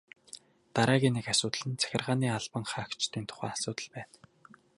Дараагийн нэг асуудал нь захиргааны албан хаагчдын тухай асуудал байна.